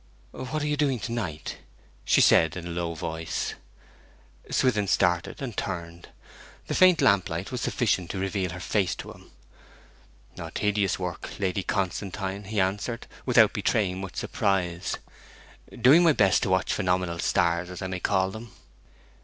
'What are you doing to night?' she said in a low voice. Swithin started, and turned. The faint lamp light was sufficient to reveal her face to him. 'Tedious work, Lady Constantine,' he answered, without betraying much surprise. 'Doing my best to watch phenomenal stars, as I may call them.'